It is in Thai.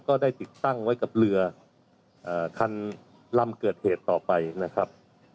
ก็ได้ติดตั้งไว้กับเรือคันลำเกิดเหตุต่อไปนะครับ